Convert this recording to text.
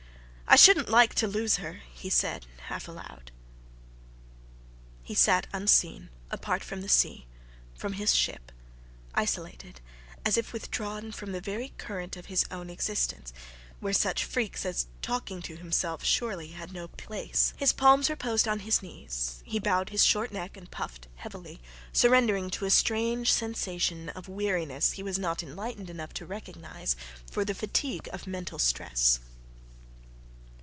"I shouldn't like to lose her," he said half aloud. He sat unseen, apart from the sea, from his ship, isolated, as if withdrawn from the very current of his own existence, where such freaks as talking to himself surely had no place. His palms reposed on his knees, he bowed his short neck and puffed heavily, surrendering to a strange sensation of weariness he was not enlightened enough to recognize for the fatigue of mental stress.